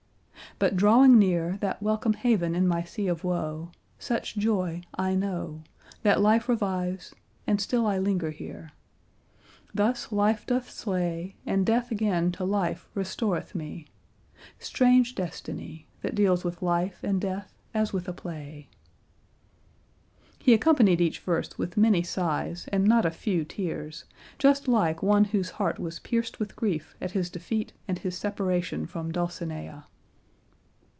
But drawing near That welcome haven in my sea of woe, Such joy I know, That life revives, and still I linger here. Thus life doth slay, And death again to life restoreth me; Strange destiny, That deals with life and death as with a play! He accompanied each verse with many sighs and not a few tears, just like one whose heart was pierced with grief at his defeat and his separation from Dulcinea.